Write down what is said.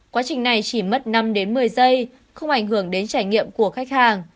quá trình này chỉ mất năm đến một mươi giây không ảnh hưởng đến trải nghiệm của khách hàng